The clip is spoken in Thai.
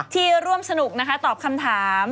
ที่ร่วมสนุกตอบคำถาม